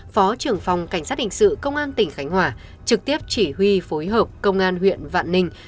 phó trưởng phòng cảnh sát hình sự công an tỉnh khánh hòa trực tiếp chỉ huy phối hợp công an huyện vạn ninh